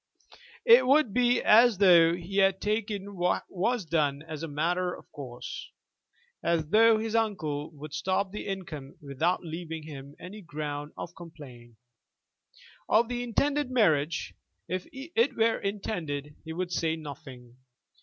It would be as though he had taken what was done as a matter of course, as though his uncle could stop the income without leaving him any ground of complaint. Of the intended marriage, if it were intended, he would say nothing.